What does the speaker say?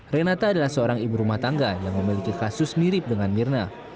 renata adalah seorang ibu rumah tangga yang memiliki kasus mirip dengan mirna